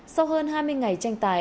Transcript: sau hơn hai mươi ngày tranh tài